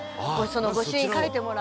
「御朱印書いてもらうのにも」